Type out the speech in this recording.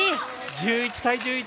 １１対１１